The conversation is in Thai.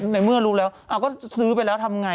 ในเมื่อรู้แล้วก็ซื้อไปแล้วทำไง